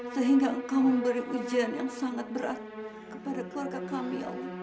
sehingga engkau memberi ujian yang sangat berat kepada keluarga kami